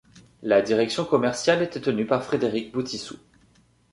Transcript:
La direction commerciale était tenue par Frédéric Boutissou.